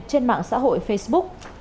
trên mạng xã hội facebook